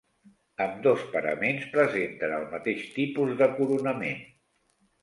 Ambdós paraments presenten el mateix tipus de coronament.